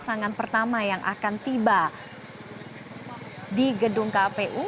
pasangan pertama yang akan tiba di gedung kpu